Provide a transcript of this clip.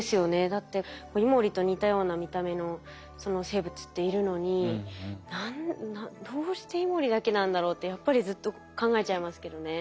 だってイモリと似たような見た目の生物っているのに何でどうしてイモリだけなんだろうってやっぱりずっと考えちゃいますけどね。